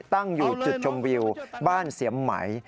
ตั้งอยู่จุดชมวิวบ้านเสียมไหม